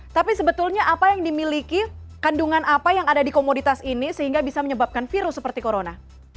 tapi sebetulnya apa yang dimiliki kandungan apa yang ada di komoditas ini sehingga bisa menyebabkan virus seperti corona